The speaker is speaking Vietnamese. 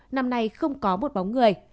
năm nay không có một bóng người